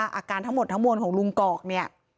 ตั้งหมดอาการทั้งมรของลุงกอกเนี่ย